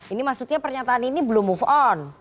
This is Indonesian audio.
ini maksudnya pernyataan ini belum move on